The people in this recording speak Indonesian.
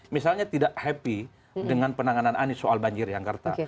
misalnya tidak happy dengan penanganan anies soal banjir di angka